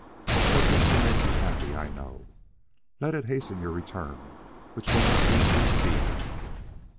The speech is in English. That this will make you happy I know. Let it hasten your return which cannot be too speedy.